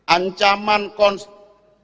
ancaman terhadap konstitusi kita bapak